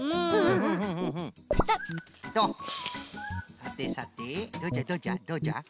さてさてどうじゃどうじゃどうじゃ？